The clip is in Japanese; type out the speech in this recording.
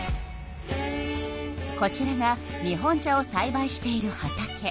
こちらが日本茶をさいばいしている畑。